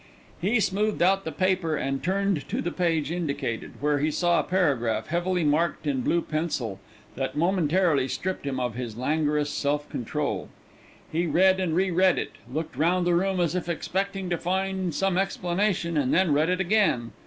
He smoothed out the paper and turned to the page indicated, where he saw a paragraph heavily marked in blue pencil that momentarily stripped him of his languorous self control. He read and re read it, looked round the room as if expecting to find some explanation, and then read it again.